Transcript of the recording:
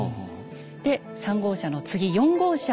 で３号車の次４号車。